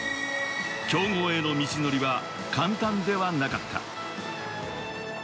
強豪への道のりは簡単ではなかった。